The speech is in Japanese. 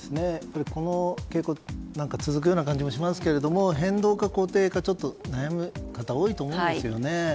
この傾向は続くような気もしますが変動か固定か、ちょっと悩む方多いと思うんですよね。